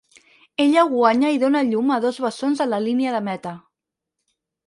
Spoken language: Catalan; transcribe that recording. Ella guanya i dona a llum a dos bessons en la línia de meta.